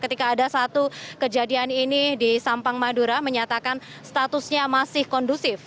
ketika ada satu kejadian ini di sampang madura menyatakan statusnya masih kondusif